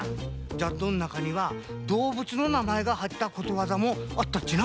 じゃどんなかにはどうぶつのなまえがはいったことわざもあったっちな。